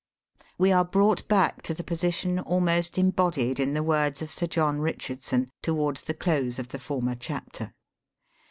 "We are brought back to the position almost embodied in the words of Sir John Richard sou towards the close of the former chapter.